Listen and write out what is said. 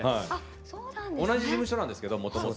同じ事務所なんですけどもともと。